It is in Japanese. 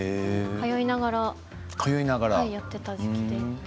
通いながらやっていた時期です。